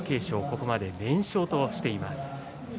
ここまで連勝としています。